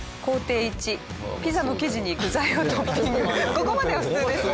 ここまでは普通ですね。